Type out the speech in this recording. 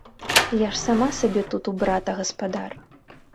Я ж сама сабе тут у брата гаспадар.